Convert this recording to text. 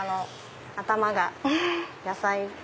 頭が野菜。